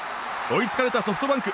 追いつかれたソフトバンク。